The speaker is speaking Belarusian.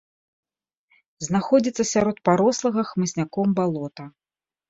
Знаходзіцца сярод парослага хмызняком балота.